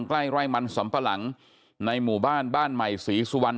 ใกล้ไร่มันสำปะหลังในหมู่บ้านบ้านใหม่ศรีสุวรรณ